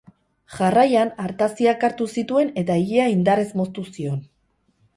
Jarraian, artaziak hartu zituen eta ilea indarrez moztu zion.